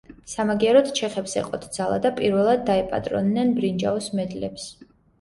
სამაგიეროდ ჩეხებს ეყოთ ძალა და პირველად დაეპატრონნენ ბრინჯაოს მედლებს.